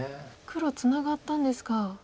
黒ツナがったんですか。